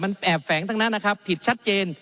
แอบแฝงตั้งนั้นผิดชัดเจน